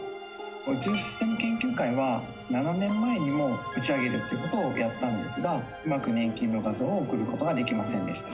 宇宙研究会は、７年前にも、打ち上げるということをやったんですが、うまく粘菌の画像を送ることができませんでした。